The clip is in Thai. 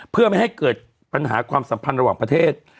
เพื่อไม่ให้เกิดปัญหาความสัมพันธ์ระหว่างประเทศ